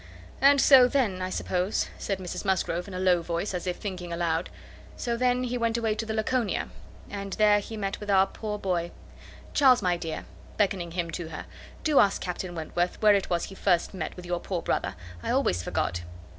"And so then, I suppose," said Mrs Musgrove, in a low voice, as if thinking aloud, "so then he went away to the Laconia, and there he met with our poor boy. Charles, my dear," (beckoning him to her), "do ask Captain Wentworth where it was he first met with your poor brother. I always forgot."